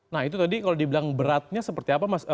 nah itu tadi kalau dibilang beratnya seperti apa mas